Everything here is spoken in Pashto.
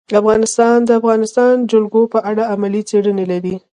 افغانستان د د افغانستان جلکو په اړه علمي څېړنې لري.